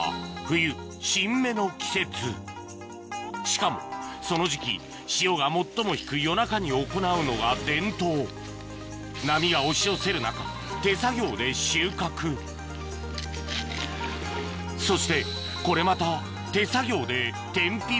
しかもその時期潮が最も引く夜中に行うのが伝統波が押し寄せる中手作業で収穫そしてこれまた手作業で天日